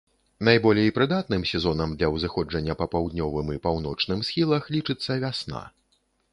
Найболей прыдатным сезонам для ўзыходжання па паўднёвым і паўночным схілах лічыцца вясна.